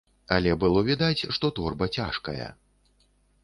Але было відаць, што торба цяжкая.